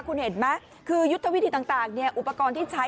คุณเห็นไหมคือยุทธวิธีต่างอุปกรณ์ที่ใช้